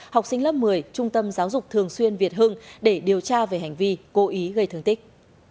học sinh lớp một mươi trung tâm giáo dục thường xuyên việt hưng để điều tra về hành vi cố ý gây thương tích